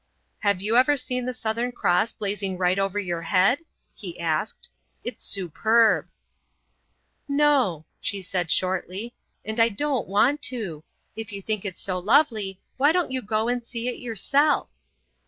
"Have you ever seen the Southern Cross blazing right over your head?" he asked. "It's superb!" "No," she said shortly, "and I don't want to. If you think it's so lovely, why don't you go and see it yourself?"